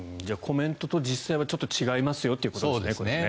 コメントと実際はちょっと違いますよということですね。